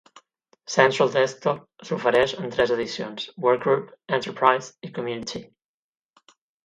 Central Desktop s'ofereix en tres edicions: Workgroup, Enterprise i Community.